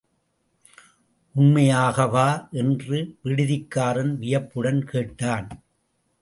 உண்மையாகவா? என்று விடுதிக்காரன் வியப்புடன் கேட்டான்.